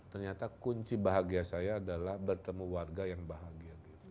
ternyata kunci bahagia saya adalah bertemu warga yang bahagia gitu